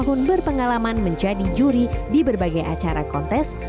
dia juga berpengalaman menjadi juri di berbagai acara kontes